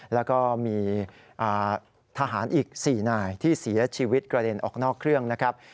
แล้วก็มีทหารอีก๔นายที่เสียชีวิตกระเด็นออกนอกเครื่องนะครับ